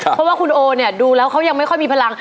เพราะว่าคุณโอเนี่ยดูแล้วเขายังไม่ค่อยมีพลัง